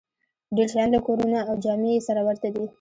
ډېر شیان لکه کورونه او جامې یې سره ورته دي